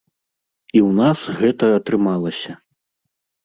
І ў нас гэта атрымалася.